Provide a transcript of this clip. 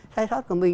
sai sót của mình